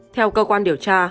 theo cơ quan điều tra